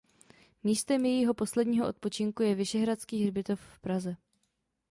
Místem jejího posledního odpočinku je Vyšehradský hřbitov v Praze.